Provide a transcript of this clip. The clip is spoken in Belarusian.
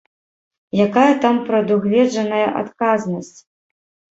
Якая там прадугледжаная адказнасць?